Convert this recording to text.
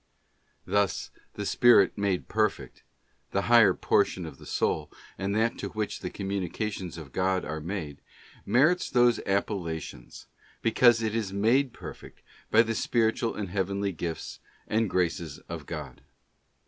Thus the spirit made perfect—the higher portion of the soul, and that to which the communications of God are made— merits those appella tions, because it is made perfect by the spiritual and heavenly gifts and graces of God.